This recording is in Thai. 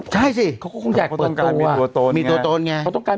ใช่สิเขาก็คงอยากเปิดตัว